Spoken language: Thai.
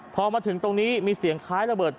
พอมาถึงตรงนี้มีเสียงคล้ายระเบิด